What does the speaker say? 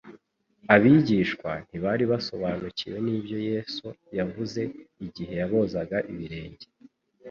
Abigishwa ntibari basobanukiwe n'ibyo Yesu yavuze igihe yabozaga ibirenge,